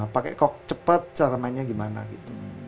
pakai kok cepat cara mainnya gimana gitu